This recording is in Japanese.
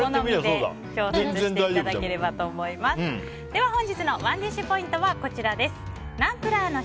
では本日のＯｎｅＤｉｓｈポイントはこちら。